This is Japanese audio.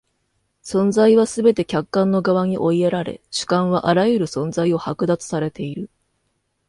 存在はすべて客観の側に追いやられ、主観はあらゆる存在を剥奪されている。